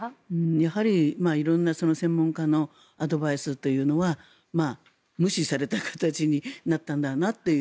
やはり色んな専門家のアドバイスというのは無視された形になったんだなという。